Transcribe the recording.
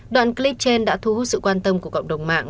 đoạn clip trên đã thu hút sự quan tâm của cộng đồng mạng